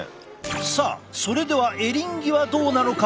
さあそれではエリンギはどうなのか。